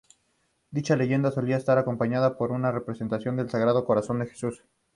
Dicha leyenda solía estar acompañada por una representación del Sagrado Corazón de Jesús.